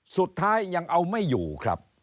สุดท้ายยังเอาไม่อยู่ครับ